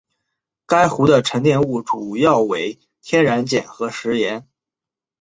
该湖的沉积物主要为天然碱和石盐。